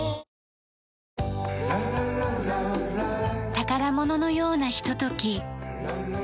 宝物のようなひととき。